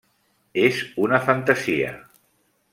És una fantasia.